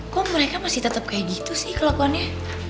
kok mereka masih tetap kayak gitu sih kelakuannya